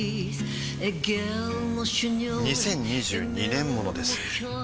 ２０２２年モノです